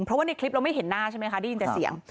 เพราะว่าในคลิปเราไม่เห็นหน้าใช่ไหมคะได้ยินแต่เสียง